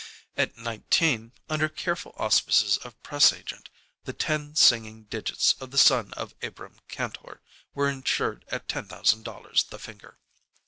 At nineteen, under careful auspices of press agent, the ten singing digits of the son of Abrahm Kantor were insured at ten thousand dollars the finger.